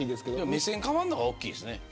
目線が変わるのが大きいですよね。